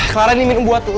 clara ini minum buah dulu